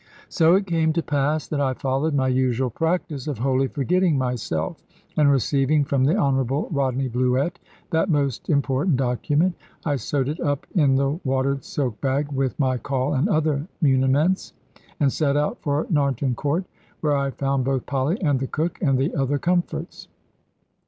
So it came to pass that I followed my usual practice of wholly forgetting myself; and receiving from the Honourable Rodney Bluett that most important document, I sewed it up in the watered silk bag with my caul and other muniments, and set out for Narnton Court, where I found both Polly, and the cook, and the other comforts.